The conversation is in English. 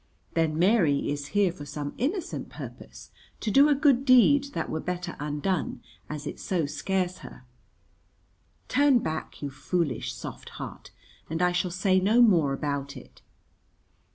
Then Mary is here for some innocent purpose, to do a good deed that were better undone, as it so scares her. Turn back, you foolish, soft heart, and I shall say no more about it.